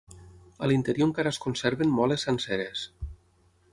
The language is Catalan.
A l'interior encara es conserven moles senceres.